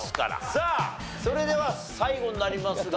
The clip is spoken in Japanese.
さあそれでは最後になりますがどなたで？